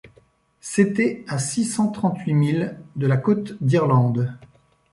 C’était à six cent trente-huit milles de la côte d’Irlande.